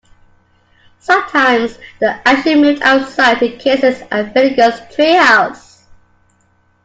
Sometimes, the action moved outside to Casey's and Finnegan's treehouse.